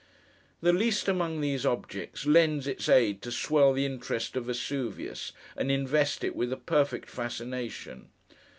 The least among these objects, lends its aid to swell the interest of Vesuvius, and invest it with a perfect fascination.